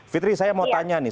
fitri saya mau tanya nih